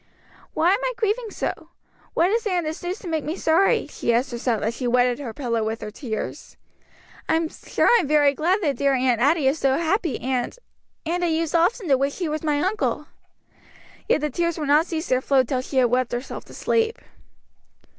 "Why am I grieving so? what is there in this news to make me sorry?" she asked herself as she wetted her pillow with her tears. "I'm sure I'm very glad that dear Aunt Adie is so happy, and and I used often to wish he was my uncle." Yet the tears would not cease their flow till she had wept herself to sleep.